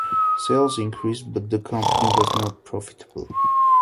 Sales increased, but the company was not profitable.